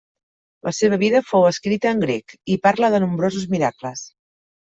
La seva vida fou escrita en grec i parla de nombrosos miracles.